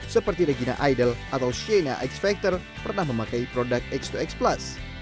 seperti regina idol atau shena x factor pernah memakai produk x dua x plus